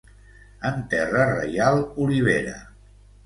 En terra reial, olivera.